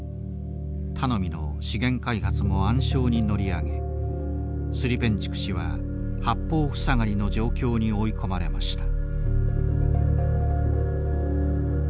頼みの資源開発も暗礁に乗り上げスリペンチュク氏は八方塞がりの状況に追い込まれました。